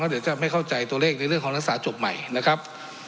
เดี๋ยวจะไม่เข้าใจตัวเลขในเรื่องของรักษาจบใหม่นะครับ